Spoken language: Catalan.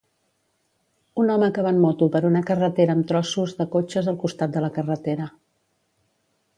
Un home que va en moto per una carretera amb trossos de cotxes al costat de la carretera.